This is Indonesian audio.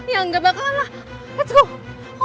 ya gak bakalan lah let's go